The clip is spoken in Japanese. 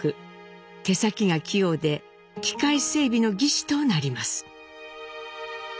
手先が器用で機械整備の技師となります。